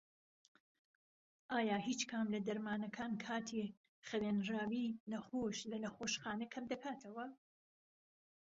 ئایا هیچ کام لە دەرمانەکان کاتی خەوێنراوی نەخۆش لە نەخۆشخانە کەمدەکاتەوە؟